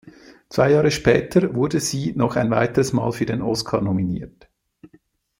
Zwei Jahre später wurde sie noch ein weiteres Mal für den Oscar nominiert.